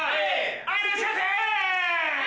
はいいらっしゃいませ！